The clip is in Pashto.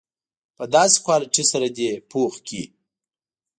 په داسې کوالیټي سره دې پوخ کړي.